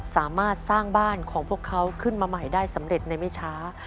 สามารถสร้างบ้านของพวกเขาขึ้นมาใหม่ได้สำเร็จในไม่ช้า